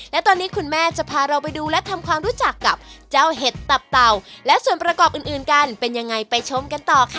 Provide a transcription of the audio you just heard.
และตอนนี้คุณแม่จะพาเราไปดูและทำความรู้จักกับเจ้าเห็ดตับเต่าและส่วนประกอบอื่นอื่นกันเป็นยังไงไปชมกันต่อค่ะ